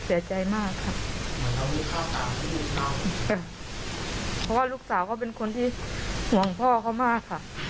เพราะว่าลูกสาวเขาเป็นคนที่ห่วงพ่อเขามากค่ะ